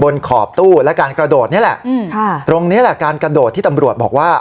ขอบตู้และการกระโดดนี่แหละอืมค่ะตรงนี้แหละการกระโดดที่ตำรวจบอกว่า